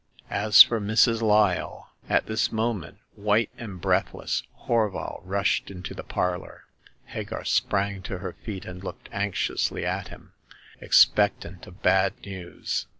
As for Mrs. Lyle " At this moment, white and breathless, Horval rushed into the parlor. Hagar sprang to her feet, and looked anxiously at him, expectant of bad news.